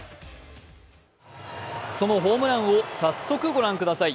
そのホームランを早速ご覧ください。